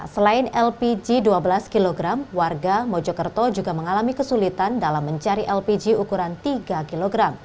selain lpg dua belas kg warga mojokerto juga mengalami kesulitan dalam mencari lpg ukuran tiga kg